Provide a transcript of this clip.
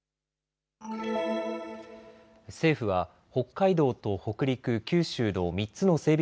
政府は北海道と北陸、九州の３つの整備